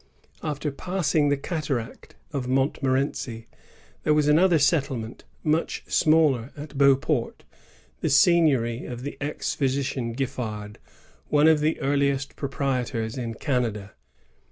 After passing the cataract of Montmorenci, there was another settlement, much smaller, at Beauport, the seigniory of the ex physician GifFard, one of the earliest proprietors in Canada.